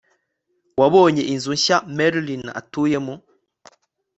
wabonye inzu nshya marilyn atuyemo